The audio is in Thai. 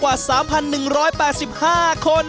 กว่า๓๑๘๕คน